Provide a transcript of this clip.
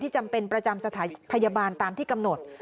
จำเป็นประจำสถานพยาบาลตามที่กำหนด